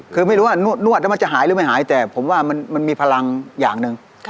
คือไม่รู้ว่านวดแล้วมันจะหายหรือไม่หายแต่ผมว่ามันมีพลังอย่างหนึ่ง